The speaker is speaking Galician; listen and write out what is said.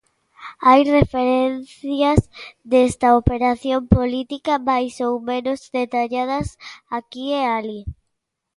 Hai referencias desta operación política máis ou menos detalladas aquí e alí.